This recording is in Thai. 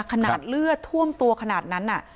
ขนาดเลือดท่วมตัวขนาดนั้น